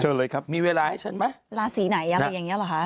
เลยครับมีเวลาให้ฉันไหมราศีไหนอะไรอย่างเงี้เหรอคะ